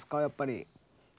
やっぱり。